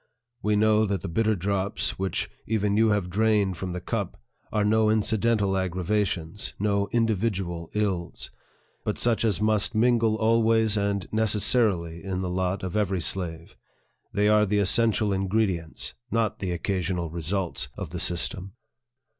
We know that the bitter drops, which even you have drained from the cup, are no incidental aggravations, no individual ills, but such as must mingle always and necessarily in the lot of every slave. They are the essential ingredients, not the occasional results, of the system.